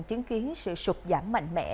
chứng kiến sự sụp giảm mạnh mẽ